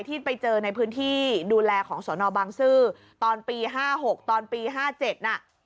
ที่ไปเจอในพื้นที่ดูแลของสนบางซื่อตอนปี๕๖ตอนปี๕๗น่ะ